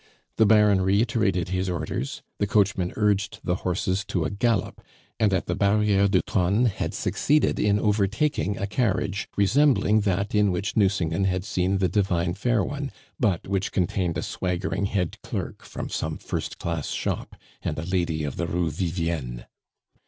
The baron reiterated his orders, the coachman urged the horses to a gallop, and at the Barriere du Trone had succeeded in overtaking a carriage resembling that in which Nucingen had seen the divine fair one, but which contained a swaggering head clerk from some first class shop and a lady of the Rue Vivienne.